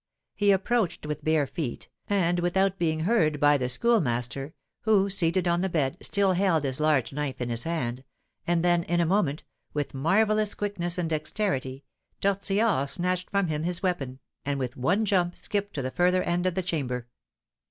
He approached with bare feet and without being heard by the Schoolmaster, who, seated on the bed, still held his large knife in his hand, and then, in a moment, with marvellous quickness and dexterity, Tortillard snatched from him his weapon, and with one jump skipped to the further end of the chamber.